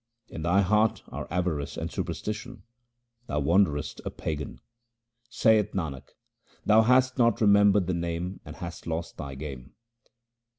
In thy heart are avarice and superstition ; thou wanderest a pagan. Saith Nanak, thou hast not remembered the Name and hast lost thy game.